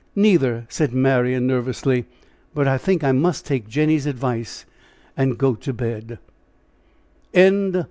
"Neither," said Marian, nervously, "but I think I must take Jenny's advice and go to bed."